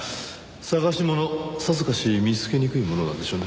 探し物さぞかし見つけにくいものなんでしょうね。